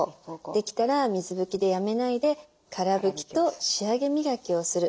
できたら水拭きでやめないでから拭きと仕上げ磨きをする。